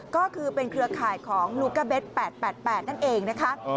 ก็คือเป็นเครือข่ายของลูก้าเบ็ด๘๘นั่นเองนะคะ